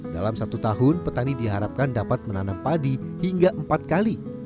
dalam satu tahun petani diharapkan dapat menanam padi hingga empat kali